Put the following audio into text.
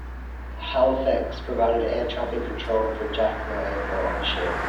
"Halifax" provided air traffic control for Jacmel Airport on the ship.